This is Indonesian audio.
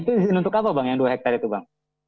itu di sini untuk apa bang yang dua hektar itu bang